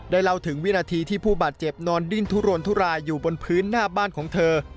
เล่าถึงวินาทีที่ผู้บาดเจ็บนอนดิ้นทุรนทุรายอยู่บนพื้นหน้าบ้านของเธอ